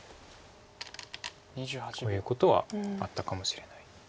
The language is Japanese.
こういうことはあったかもしれない。